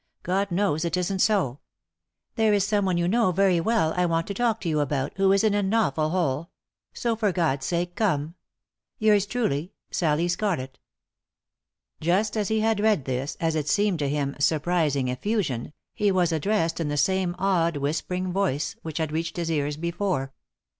God knows it isn't so. There is someone you know very well I want to talk to you about, who is in an awful hole. So for God's sake come. "Yours truly, "Sallie Scarlett." Just as he had read this, as it seemed to him, surprising effusion, he was addressed in the same odd whispering voice which had reached his ears before.